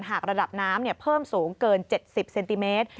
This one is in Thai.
หากระดับน้ำเพิ่มสูงเกิน๗๐เซนติเมตร